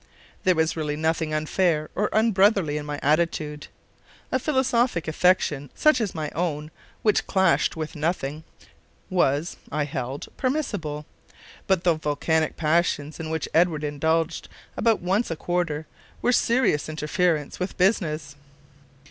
There was really nothing unfair or unbrotherly in my attitude. A philosophic affection such as mine own, which clashed with nothing, was (I held) permissible; but the volcanic passions in which Edward indulged about once a quarter were a serious interference with business.